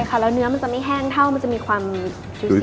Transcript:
ใช่ค่ะแล้วเนื้อมันจะไม่แห้งเท่ามันจะมีความจูซี่